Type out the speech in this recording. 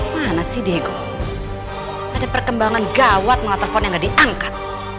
mana si diego ada perkembangan gawat melototopon yang testosterone yang tidak gak diangkat